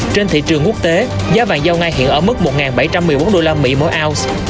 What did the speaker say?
trên thị trường quốc tế giá vàng giao ngay hiện ở mức một bảy trăm một mươi bốn usd mỗi ounce